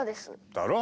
だろ？